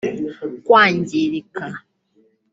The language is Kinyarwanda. kwangirika